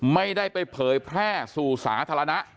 ไม่ได้ไปเผยแพร่สู่สาธารณะ